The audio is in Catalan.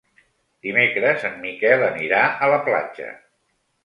Dimecres en Miquel anirà a la platja.